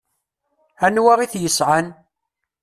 Anwa i t-yesƐan?